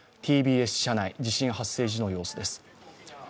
ＴＢＳ社内、地震発生時の様子です。